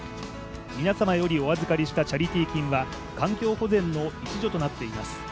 皆様よりお預かりしたチャリティー金は環境保全の一助となっています。